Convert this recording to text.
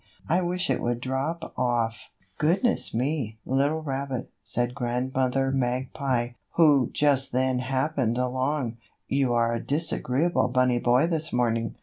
I wish it would drop off." "Goodness me, little rabbit," said Grandmother Magpie, who just then happened along, "you are a disagreeable bunny boy this morning."